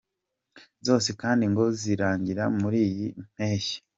Zose kandi ngo zizarangira muri iyi mpeshyi.